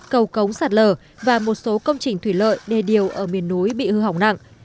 cầu cống sạt lở và một số công trình thủy lợi đề điều ở miền núi bị hư hỏng nặng